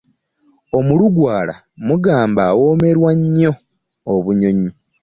Omulugwala bagamba awoomerwa nnyo obunyonyi.